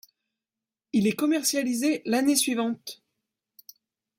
Il est commercialisé l'année suivante.